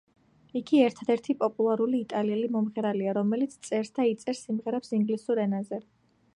იგი ერთადერთი პოპულარული იტალიელი მომღერალია, რომელიც წერს და იწერს სიმღერებს ინგლისურ ენაზე.